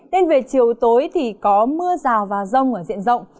nên về chiều tối thì có mưa rào và rông ở diện rộng